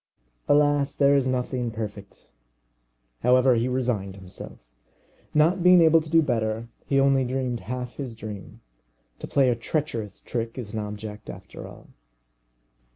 Alas, there is nothing perfect! However, he resigned himself. Not being able to do better, he only dreamed half his dream. To play a treacherous trick is an object after all.